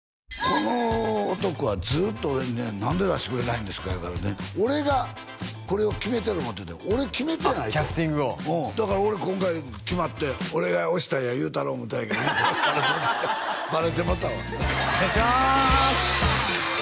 この男はずっと俺にね何で出してくれないんですか言うから俺がこれを決めてる思ってたよ俺決めてないとあっキャスティングをおおだから俺今回決まって俺が押したんや言うたろ思ったんやけどバレてもうたバレてもうたわお願いします